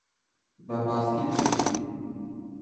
بە پایسکل دێم.